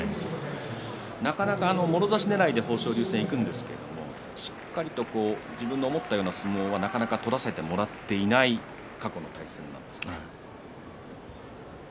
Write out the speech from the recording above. なかなかもろ差しねらいで豊昇龍戦はいくんですがしっかりと自分の思ったような相撲は取らせてもらっていない過去です。